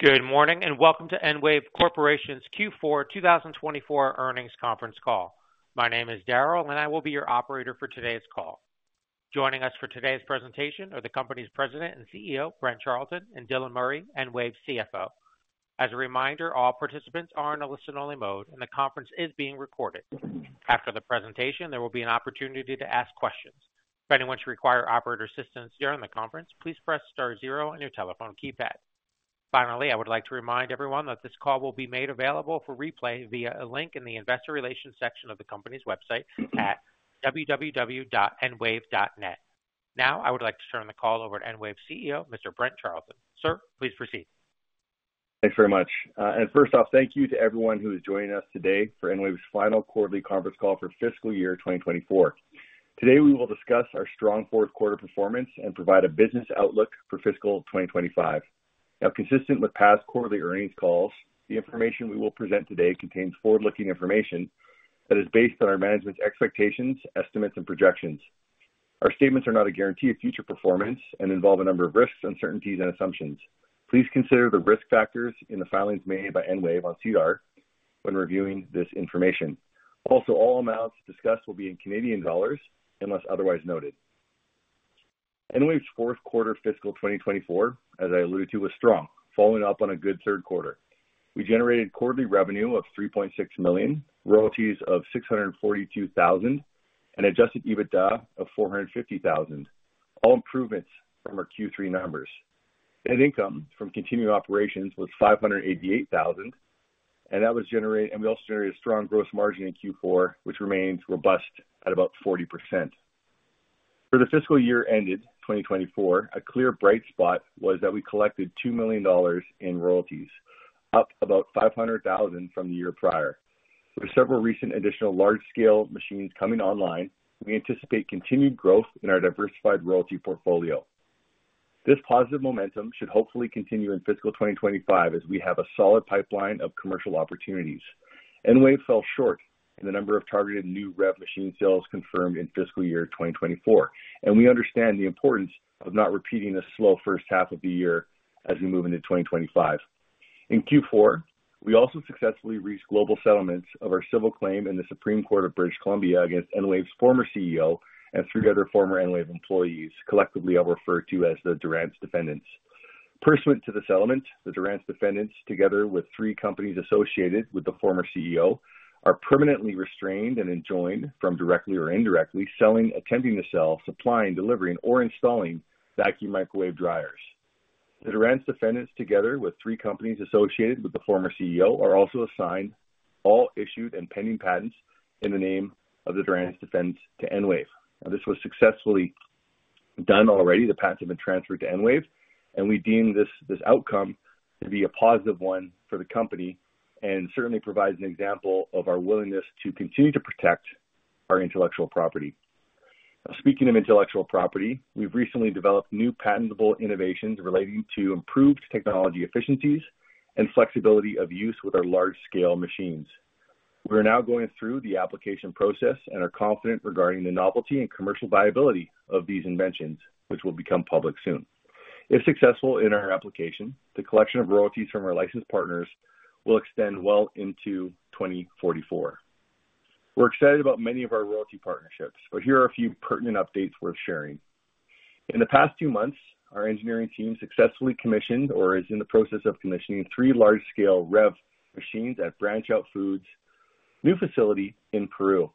Good morning and welcome to EnWave Corporation's Q4 2024 Earnings Conference Call. My name is Darrell, and I will be your operator for today's call. Joining us for today's presentation are the company's President and CEO, Brent Charleton, and Dylan Murray, EnWave CFO. As a reminder, all participants are in a listen-only mode, and the conference is being recorded. After the presentation, there will be an opportunity to ask questions. If anyone should require operator assistance during the conference, please press star zero on your telephone keypad. Finally, I would like to remind everyone that this call will be made available for replay via a link in the investor relations section of the company's website at www.enwave.net. Now, I would like to turn the call over to EnWave CEO, Mr. Brent Charleton. Sir, please proceed. Thanks very much. And first off, thank you to everyone who is joining us today for EnWave's Final Quarterly Conference Call for Fiscal Year 2024. Today, we will discuss our strong fourth quarter performance and provide a business outlook for fiscal 2025. Now, consistent with past quarterly earnings calls, the information we will present today contains forward-looking information that is based on our management's expectations, estimates, and projections. Our statements are not a guarantee of future performance and involve a number of risks, uncertainties, and assumptions. Please consider the risk factors in the filings made by EnWave on SEDAR+ when reviewing this information. Also, all amounts discussed will be in Canadian dollars unless otherwise noted. EnWave's Fourth Quarter Fiscal 2024, as I alluded to, was strong, following up on a good third quarter. We generated quarterly revenue of 3.6 million, royalties of 642,000, and Adjusted EBITDA of 450,000, all improvements from our Q3 numbers. Net income from continuing operations was 588,000, and that was generated, and we also generated a strong gross margin in Q4, which remains robust at about 40%. For the fiscal year ended 2024, a clear bright spot was that we collected 2 million dollars in royalties, up about 500,000 from the year prior. With several recent additional large-scale machines coming online, we anticipate continued growth in our diversified royalty portfolio. This positive momentum should hopefully continue in fiscal 2025 as we have a solid pipeline of commercial opportunities. EnWave fell short in the number of targeted new REV machine sales confirmed in fiscal year 2024, and we understand the importance of not repeating a slow first half of the year as we move into 2025. In Q4, we also successfully reached global settlements of our civil claim in the Supreme Court of British Columbia against EnWave's former CEO and three other former EnWave employees, collectively I'll refer to as the Durance Defendants. Pursuant to the settlement, the Durance Defendants, together with three companies associated with the former CEO, are permanently restrained and enjoined from directly or indirectly selling, attempting to sell, supplying, delivering, or installing vacuum microwave dryers. The Durance Defendants, together with three companies associated with the former CEO, are also assigned all issued and pending patents in the name of the Durance Defendants to EnWave. Now, this was successfully done already. The patents have been transferred to EnWave, and we deem this outcome to be a positive one for the company and certainly provides an example of our willingness to continue to protect our intellectual property. Speaking of intellectual property, we've recently developed new patentable innovations relating to improved technology efficiencies and flexibility of use with our large-scale machines. We are now going through the application process and are confident regarding the novelty and commercial viability of these inventions, which will become public soon. If successful in our application, the collection of royalties from our licensed partners will extend well into 2044. We're excited about many of our royalty partnerships, but here are a few pertinent updates worth sharing. In the past few months, our engineering team successfully commissioned or is in the process of commissioning three large-scale REV machines at BranchOut Food's new facility in Peru.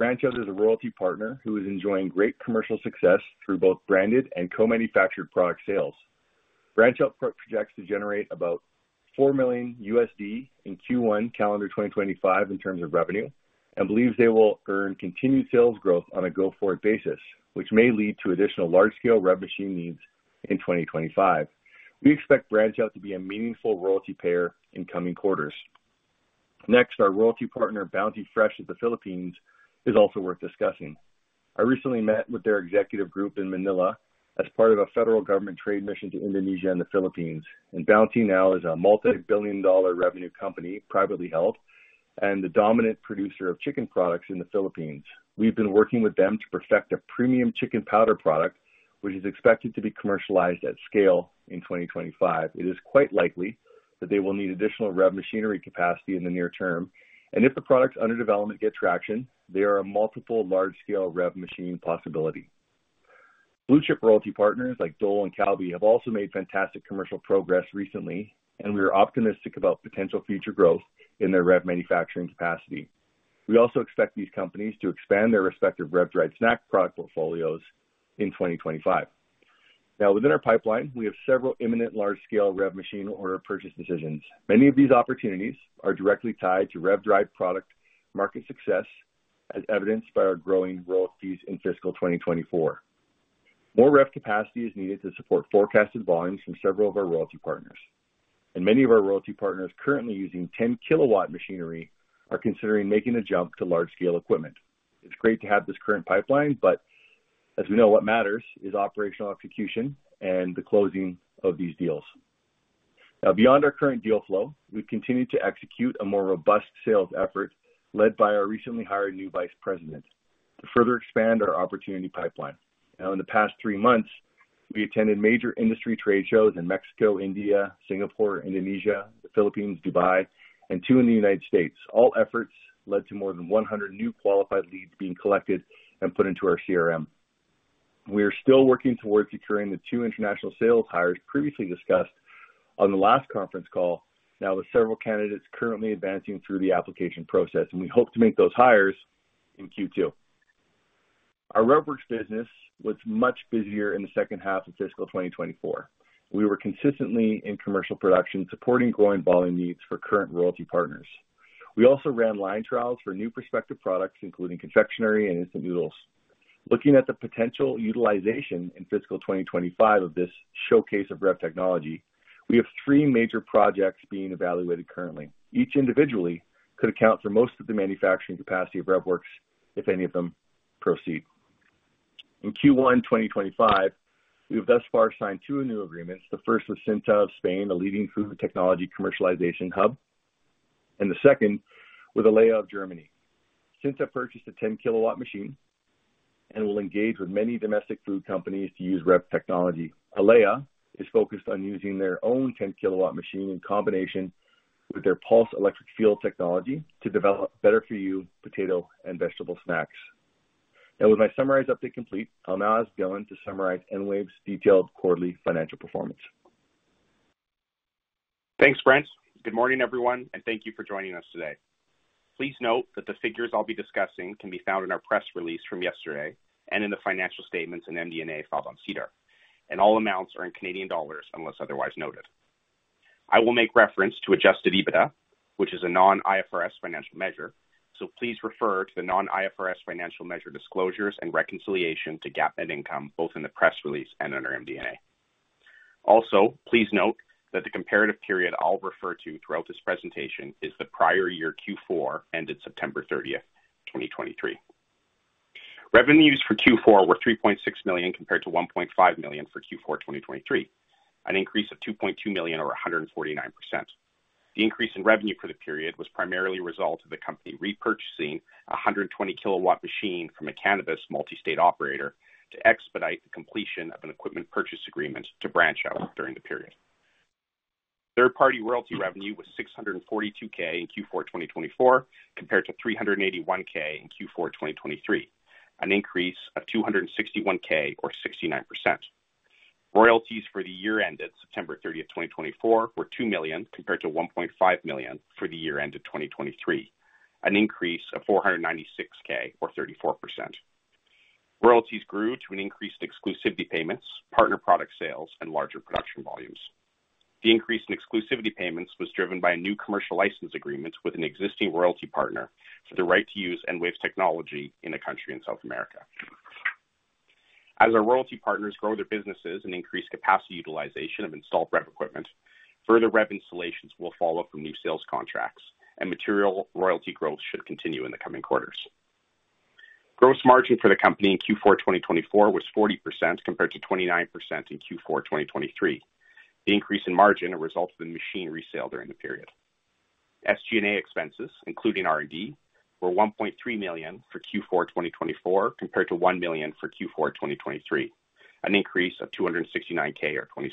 BranchOut Food is a royalty partner who is enjoying great commercial success through both branded and co-manufactured product sales. BranchOut projects to generate about $4 million in Q1 calendar 2025 in terms of revenue and believes they will earn continued sales growth on a go-forward basis, which may lead to additional large-scale REV machine needs in 2025. We expect BranchOut to be a meaningful royalty payer in coming quarters. Next, our royalty partner, Bounty Fresh of the Philippines, is also worth discussing. I recently met with their executive group in Manila as part of a federal government trade mission to Indonesia and the Philippines, and Bounty now is a multi-billion-dollar revenue company privately held and the dominant producer of chicken products in the Philippines. We've been working with them to perfect a premium chicken powder product, which is expected to be commercialized at scale in 2025. It is quite likely that they will need additional REV machinery capacity in the near term, and if the products under development get traction, they are a multiple large-scale REV machine possibility. Blue-chip royalty partners like Dole and Calbee have also made fantastic commercial progress recently, and we are optimistic about potential future growth in their REV manufacturing capacity. We also expect these companies to expand their respective REV dried snack product portfolios in 2025. Now, within our pipeline, we have several imminent large-scale REV machine order purchase decisions. Many of these opportunities are directly tied to REV dried product market success, as evidenced by our growing royalties in fiscal 2024. More REV capacity is needed to support forecasted volumes from several of our royalty partners, and many of our royalty partners currently using 10-kilowatt machinery are considering making a jump to large-scale equipment. It's great to have this current pipeline, but as we know, what matters is operational execution and the closing of these deals. Now, beyond our current deal flow, we continue to execute a more robust sales effort led by our recently hired new vice president to further expand our opportunity pipeline. Now, in the past three months, we attended major industry trade shows in Mexico, India, Singapore, Indonesia, the Philippines, Dubai, and two in the United States. All efforts led to more than 100 new qualified leads being collected and put into our CRM. We are still working towards securing the two international sales hires previously discussed on the last conference call, now with several candidates currently advancing through the application process, and we hope to make those hires in Q2. Our REVworx business was much busier in the second half of fiscal 2024. We were consistently in commercial production, supporting growing volume needs for current royalty partners. We also ran line trials for new prospective products, including confectionery and instant noodles. Looking at the potential utilization in fiscal 2025 of this showcase of REV technology, we have three major projects being evaluated currently. Each individually could account for most of the manufacturing capacity of REVworx if any of them proceed. In Q1 2025, we have thus far signed two new agreements. The first was CNTA of Spain, a leading food technology commercialization hub, and the second with Elea of Germany. CNTA purchased a 10-kilowatt machine and will engage with many domestic food companies to use REV technology. Elea is focused on using their own 10-kilowatt machine in combination with their Pulsed Electric Field technology to develop better-for-you potato and vegetable snacks. Now, with my summarized update complete, I'll now ask Dylan to summarize EnWave's detailed quarterly financial performance. Thanks, Brent. Good morning, everyone, and thank you for joining us today. Please note that the figures I'll be discussing can be found in our press release from yesterday and in the financial statements and MD&A filed on SEDAR+, and all amounts are in Canadian dollars unless otherwise noted. I will make reference to Adjusted EBITDA, which is a non-IFRS financial measure, so please refer to the non-IFRS financial measure disclosures and reconciliation to GAAP net income both in the press release and under MD&A. Also, please note that the comparative period I'll refer to throughout this presentation is the prior year Q4 ended September 30th, 2023. Revenues for Q4 were 3.6 million compared to 1.5 million for Q4 2023, an increase of 2.2 million or 149%. The increase in revenue for the period was primarily a result of the company repurchasing a 120-kilowatt machine from a cannabis multi-state operator to expedite the completion of an equipment purchase agreement to BranchOut during the period. Third-party royalty revenue was 642K in Q4 2024 compared to 381K in Q4 2023, an increase of 261K or 69%. Royalties for the year ended September 30th, 2024, were 2 million compared to 1.5 million for the year ended 2023, an increase of 496K or 34%. Royalties grew to an increase in exclusivity payments, partner product sales, and larger production volumes. The increase in exclusivity payments was driven by a new commercial license agreement with an existing royalty partner for the right to use EnWave technology in a country in South America. As our royalty partners grow their businesses and increase capacity utilization of installed REV equipment, further REV installations will follow from new sales contracts, and material royalty growth should continue in the coming quarters. Gross margin for the company in Q4 2024 was 40% compared to 29% in Q4 2023. The increase in margin resulted in machine resale during the period. SG&A expenses, including R&D, were 1.3 million for Q4 2024 compared to 1 million for Q4 2023, an increase of 269K or 26%.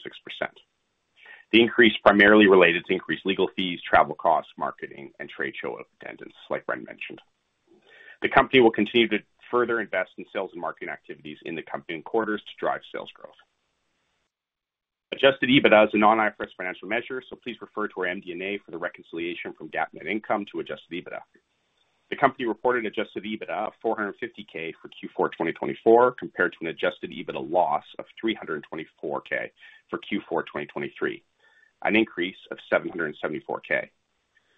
The increase primarily related to increased legal fees, travel costs, marketing, and trade show attendance, like Brent mentioned. The company will continue to further invest in sales and marketing activities in the coming quarters to drive sales growth. Adjusted EBITDA is a non-IFRS financial measure, so please refer to our MD&A for the reconciliation from GAAP net income to adjusted EBITDA. The company reported Adjusted EBITDA of 450,000 for Q4 2024 compared to an Adjusted EBITDA loss of 324,000 for Q4 2023, an increase of 774,000.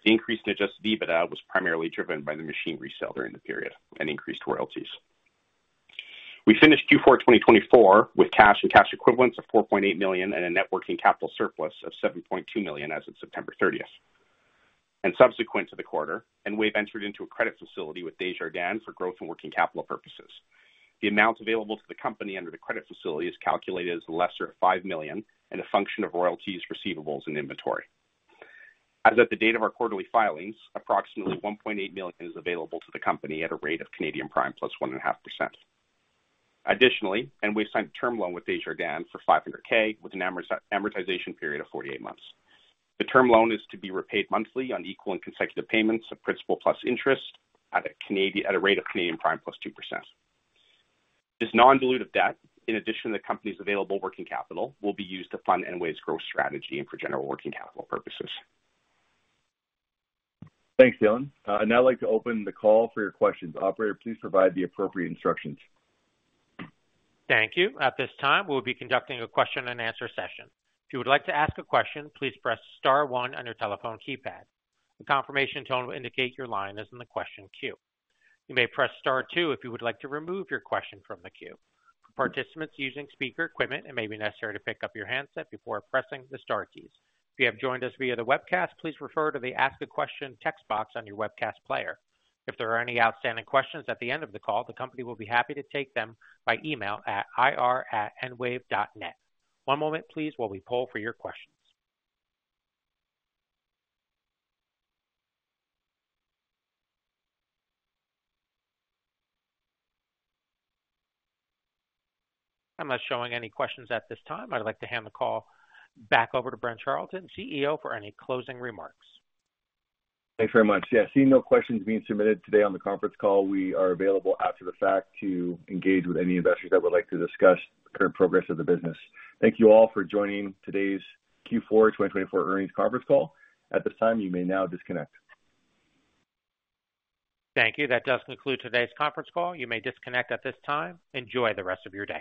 The increase in Adjusted EBITDA was primarily driven by the machine resale during the period and increased royalties. We finished Q4 2024 with cash and cash equivalents of 4.8 million and a net working capital surplus of 7.2 million as of September 30th. And subsequent to the quarter, EnWave entered into a credit facility with Desjardins for growth and working capital purposes. The amount available to the company under the credit facility is calculated as lesser of 5 million and a function of royalties, receivables, and inventory. As of the date of our quarterly filings, approximately 1.8 million is available to the company at a rate of Canadian Prime plus 1.5%. Additionally, EnWave signed a term loan with Desjardins for 500,000 with an amortization period of 48 months. The term loan is to be repaid monthly on equal and consecutive payments of principal plus interest at a rate of Canadian Prime plus 2%. This non-dilutive debt, in addition to the company's available working capital, will be used to fund EnWave's growth strategy and for general working capital purposes. Thanks, Dylan. Now I'd like to open the call for your questions. Operator, please provide the appropriate instructions. Thank you. At this time, we'll be conducting a question-and-answer session. If you would like to ask a question, please press star one on your telephone keypad. A confirmation tone will indicate your line is in the question queue. You may press star two if you would like to remove your question from the queue. For participants using speaker equipment, it may be necessary to pick up your handset before pressing the star keys. If you have joined us via the webcast, please refer to the ask a question text box on your webcast player. If there are any outstanding questions at the end of the call, the company will be happy to take them by email at ir@enwave.net. One moment, please, while we pull for your questions. Unless showing any questions at this time, I'd like to hand the call back over to Brent Charleton, CEO, for any closing remarks. Thanks very much. Yes, seeing no questions being submitted today on the conference call, we are available after the fact to engage with any investors that would like to discuss the current progress of the business. Thank you all for joining today's Q4 2024 Earnings Conference Call. At this time, you may now disconnect. Thank you. That does conclude today's conference call. You may disconnect at this time. Enjoy the rest of your day.